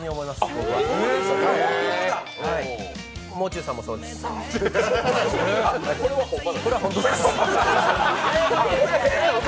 僕は、もう中さんもそうですし。